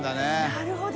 なるほど！